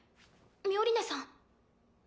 ミオリネさん。